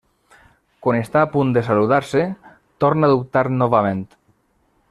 Quan està a punt de saludar-se, torna a dubtar novament.